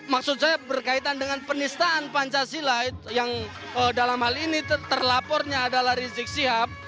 maksud saya berkaitan dengan penistaan pancasila yang dalam hal ini terlapornya adalah rizik sihab